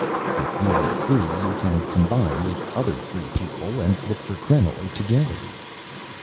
"If you are free, you can combine with other free people and look for krenoj together."